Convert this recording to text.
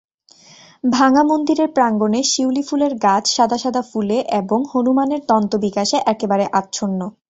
ভাঙা মন্দিরের প্রাঙ্গণে শিউলি ফুলের গাছ সাদা সাদা ফুলে এবং হনুমানের দন্তবিকাশে একেবারে আচ্ছন্ন।